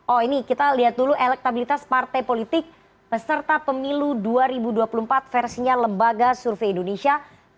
oh ini kita lihat dulu elektabilitas partai politik peserta pemilu dua ribu dua puluh empat versinya lembaga survei indonesia